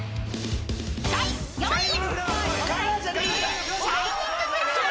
［第４位］